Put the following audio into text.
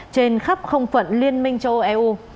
trên khắp không phận liên minh châu âu eu